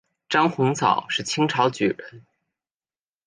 张鸿藻是清朝举人。